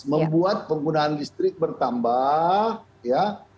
membuat penggunaan listrik bertambah ya